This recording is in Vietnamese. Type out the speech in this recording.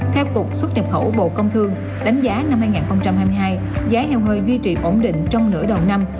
theo cục xuất nhập khẩu bộ công thương đánh giá năm hai nghìn hai mươi hai giá heo hơi duy trì ổn định trong nửa đầu năm